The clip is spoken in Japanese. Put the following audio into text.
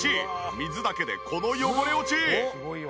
水だけでこの汚れ落ち！